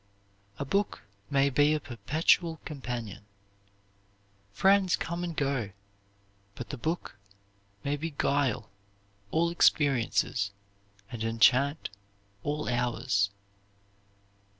"A book may be a perpetual companion. Friends come and go, but the book may beguile all experiences and enchant all hours."